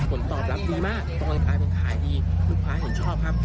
ผลตอบรับดีมากก็เลยกลายเป็นขายดีลูกค้าเห็นชอบครับ